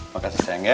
makasih sayang ya